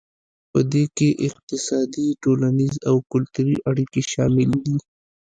پدې کې اقتصادي ټولنیز او کلتوري اړیکې شاملې دي